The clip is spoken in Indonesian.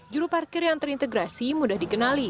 juru parkir yang terintegrasi mudah dikenali